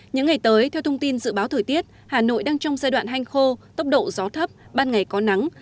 những ngày tới theo thông tin dự báo thời tiết hà nội đang trong giai đoạn hanh khô tốc độ gió thấp ban ngày có nắng